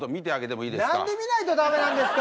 何で見ないと駄目なんですか。